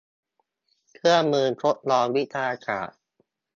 เครื่องมือทดลองวิทยาศาสตร์